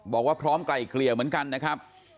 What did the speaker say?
บอกว่าพร้อมไกลเกลี่ยเหมือนกันนะครับ